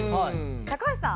高橋さん。